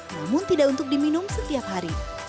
namun tidak untuk diminum setiap hari